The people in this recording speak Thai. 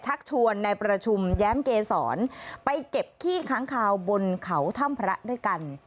ชักชวนในประชุมแย้มเกษรไปเก็บขี้ค้างคาวบนเขาถ้ำพระด้วยกัน